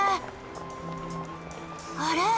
あれ？